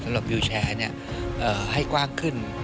สำหรับวิวแชร์ให้กว้างขึ้น